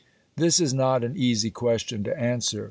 This is not an easy question to answer.